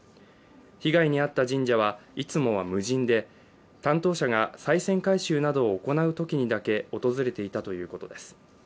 被害に遭った神社はいつもは無人で、担当者がさい銭回収などを行うときにだけ訪れていたということです。